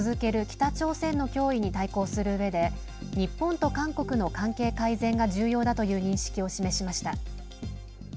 北朝鮮の脅威に対抗するうえで日本と韓国の関係改善が重要だという認識を示しました。